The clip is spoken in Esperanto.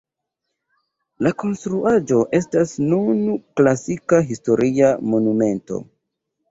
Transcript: La konstruaĵo estas nun klasita Historia Monumento.